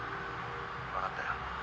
分かったよ。